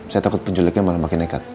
saya takut penculiknya malah makin nekat